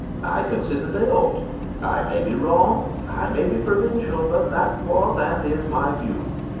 I considered they ought. I may be wrong. I may be provincial. But that was and is my view.